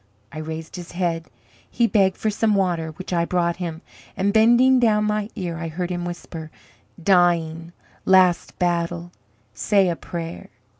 I raised his head; he begged for some water, which I brought him, and bending down my ear I heard him whisper, 'Dying last battle say a prayer.'